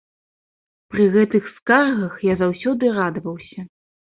Пры гэтых скаргах я заўсёды радаваўся.